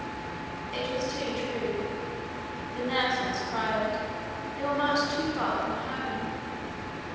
It was too true. The nurse almost cried. They were much too far from home.